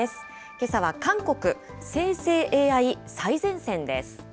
けさは韓国、生成ＡＩ最前線です。